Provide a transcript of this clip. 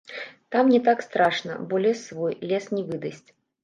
Там не так страшна, бо лес свой, лес не выдасць.